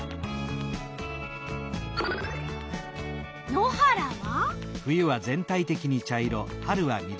野原は？